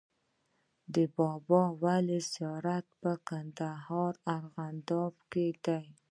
د بابا ولي زيارت د کندهار په ارغنداب کی دی